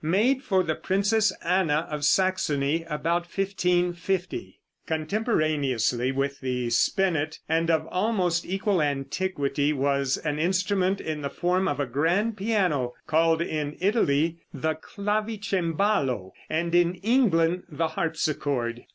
(Made for the Princess Anna, of Saxony, about 1550.)] Contemporaneously with the spinet, and of almost equal antiquity, was an instrument in the form of a grand piano, called in Italy the clavicembalo, and in England the harpsichord.